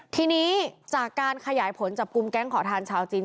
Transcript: ทีนี้จากการขยายผลจับกลุ่มแก๊งขอทานชาวจีน